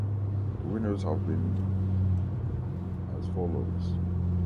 The winners have been as follows.